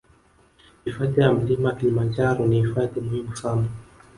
Hifadhi ya mlima kilimanjaro ni hifadhi muhimu sana